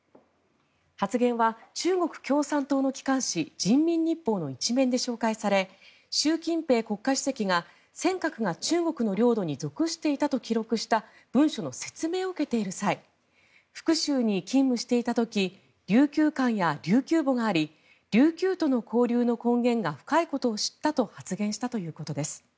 発言は中国共産党の機関紙人民日報の１面で紹介され習近平国家主席が尖閣が中国の領土に属していたと記録した文書の説明を受けている際福州に勤務していた時琉球館や琉球墓があり琉球との交流の根源が深いことを知ったと発言したということです。